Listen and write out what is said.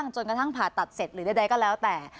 จนกระทั่งผ่าตัดเสร็จหรือใดก็แล้วแต่